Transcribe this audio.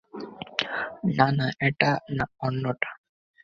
না না এটা না অন্যটা।